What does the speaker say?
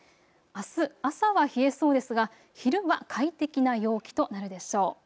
あす朝は冷えそうですが昼は快適な陽気となるでしょう。